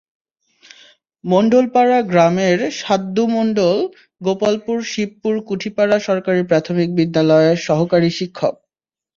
মণ্ডলপাড়া গ্রামের সাদ্দু মণ্ডল গোপালপুর শিবপুর কুটিপাড়া সরকারি প্রাথমিক বিদ্যালয়ের সহকারী শিক্ষক।